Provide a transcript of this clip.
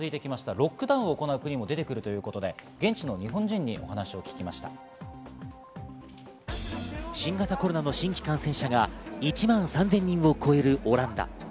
ロックダウンを行う国も出てくるということで、現地の日本人にお新型コロナの新規感染者が１万３０００人を超えるオランダ。